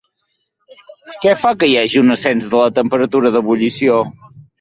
Què fa que hi hagi un ascens de la temperatura d'ebullició?